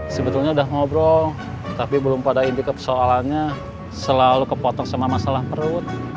sebetulnya udah ngobrol tapi belum pada inti persoalannya selalu kepotong sama masalah perut